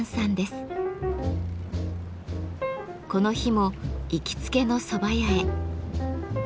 この日も行きつけの蕎麦屋へ。